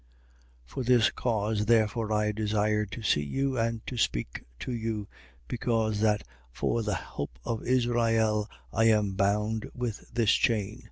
28:20. For this cause therefore I desired to see you and to speak to you. Because that for the hope of Israel, I am bound with this chain.